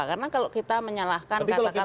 karena kalau kita menyalahkan kata kata kartel